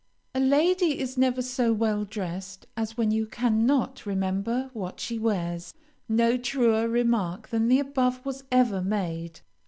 "A lady is never so well dressed as when you cannot remember what she wears." No truer remark than the above was ever made.